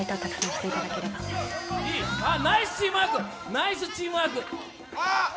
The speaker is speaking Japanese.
ナイスチームワーク！